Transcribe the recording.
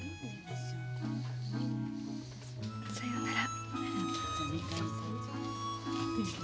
さよなら。